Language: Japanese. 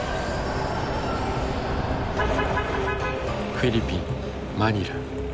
フィリピン・マニラ。